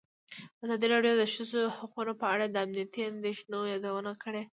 ازادي راډیو د د ښځو حقونه په اړه د امنیتي اندېښنو یادونه کړې.